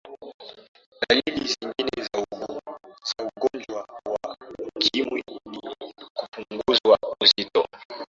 dalili zingine za ugonjwa wa ukimwi ni kupungua uzito